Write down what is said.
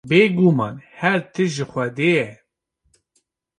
Bêguman her tişt ji Xwedê ye.